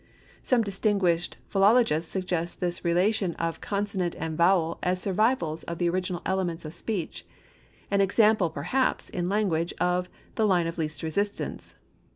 Some distinguished philologists suggest this relation of consonant and vowel as survivals of the original elements of speech; an example, perhaps, in language, of "the line of least resistance."